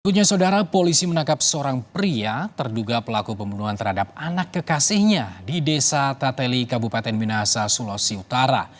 kunya saudara polisi menangkap seorang pria terduga pelaku pembunuhan terhadap anak kekasihnya di desa tateli kabupaten minasa sulawesi utara